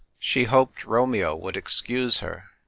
She hoped Romeo would excuse her.